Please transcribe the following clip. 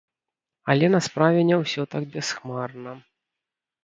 Але на справе не ўсё так бясхмарна.